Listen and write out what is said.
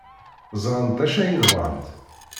Ẓrant d acu ay bɣant.